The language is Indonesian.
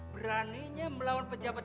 beraninya melawan pejabat